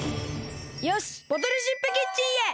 よしボトルシップキッチンへ。